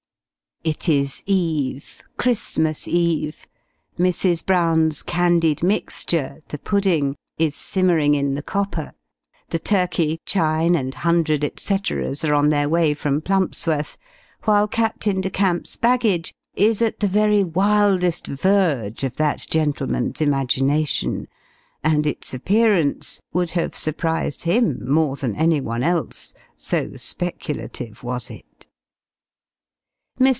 It is eve Christmas eve. Mrs. Brown's candied mixture, the pudding, is simmering in the copper; the turkey, chine, and hundred etceteras are on their way from Plumpsworth; while Captain de Camp's baggage is at the very wildest verge of that gentleman's imagination, and its appearance would have surprised him more than any one else, so speculative was it. [Illustration: CHRISTMAS EVE. THE FOOD IN PERSPECTIVE.] Mr.